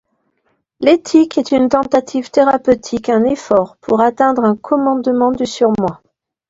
L'éthique est une tentative thérapeutique, un effort pour atteindre un commandement du surmoi.